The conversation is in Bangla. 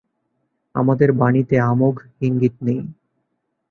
আমাদের বাণীতে সেই অমোঘ ইঙ্গিত নেই।